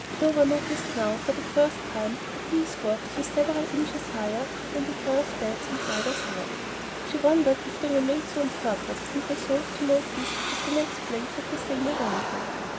Clover noticed now, for the first time, that these walks were several inches higher than the grass beds on either side. She wondered if they were made so on purpose, and resolved to notice if the next place had the same arrangement.